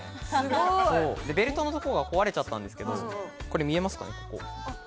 ベルトのところが壊れちゃったんですけど、見えますかね？